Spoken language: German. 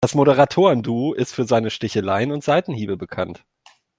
Das Moderatoren-Duo ist für seine Sticheleien und Seitenhiebe bekannt.